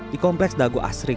di kompleks dago asri kota